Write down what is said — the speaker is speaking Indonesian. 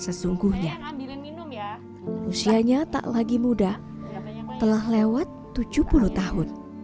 sesungguhnya usianya tak lagi muda telah lewat tujuh puluh tahun